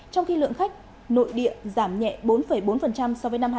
trong khi lượng khách nội địa giảm nhẹ bốn bốn so với năm hai nghìn hai mươi hai